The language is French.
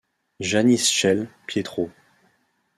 Janice Shell, Pietro.